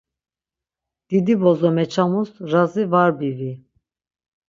Didi bozo meçamus razi var bivi.